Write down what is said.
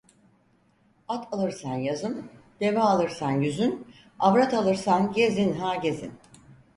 At alırsan yazın, deve alırsan güzün, avrat alırsan gezin ha gezin.